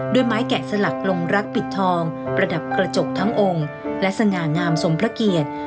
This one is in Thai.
ด้วยไม้แกะสลักลงรักปิดทองประดับกระจกทั้งองค์และสง่างามสมพระเกียรติ